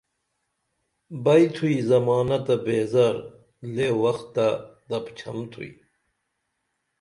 بئی تھوئی زمانہ تہ بیزار لے وختہ تپچھن تُھوئی